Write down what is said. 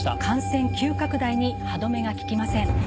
感染急拡大に歯止めが利きません。